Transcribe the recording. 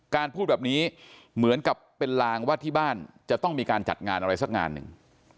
พูดแบบนี้เหมือนกับเป็นลางว่าที่บ้านจะต้องมีการจัดงานอะไรสักงานหนึ่ง